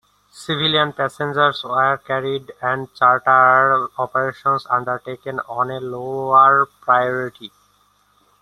Civilian passengers were carried and charter operations undertaken on a lower priority.